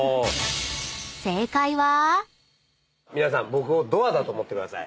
僕をドアだと思ってください。